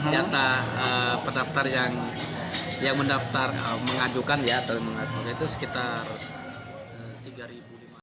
jatah pendaftar yang mengajukan ya itu sekitar rp tiga lima ratus